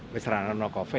tidak ada apa apa